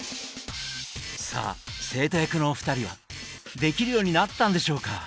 さあ生徒役のお二人はできるようになったんでしょうか？